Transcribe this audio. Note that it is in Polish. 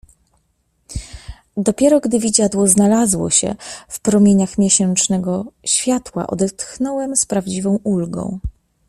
"Dopiero, gdy widziadło znalazło się w promieniach miesięcznego światła, odetchnąłem z prawdziwą ulgą."